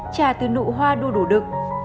bốn trà từ nụ hoa đu đủ đực